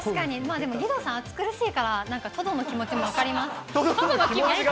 でも義堂さん、暑苦しいから、トドの気持ちが分かる？